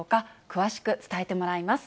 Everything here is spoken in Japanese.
詳しく伝えてもらいます。